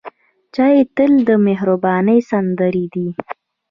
د چای تل د مهربانۍ سمندر دی.